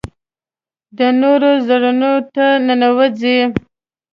د نورو زړونو ته ننوځي .